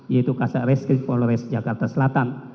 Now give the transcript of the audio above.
yaitu kasar reskri polores jakarta selatan